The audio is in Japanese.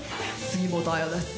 杉本彩です。